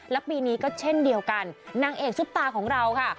และปีนี้ก็เช่นเดียวกันนางเอกซุปตาของเราค่ะ